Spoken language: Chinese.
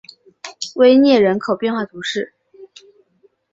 威涅人口变化图示